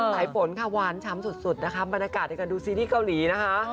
สายฝนค่ะหวานช้ำสุดนะคะบรรยากาศในการดูซีรีส์เกาหลีนะคะ